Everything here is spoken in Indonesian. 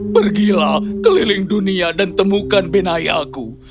pergilah keliling dunia dan temukan binayaku